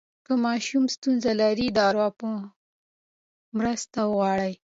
که ماشوم ستونزه لري، د ارواپوه مرسته وغواړئ.